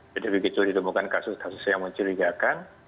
jadi begitu ditemukan kasus kasus yang mencurigakan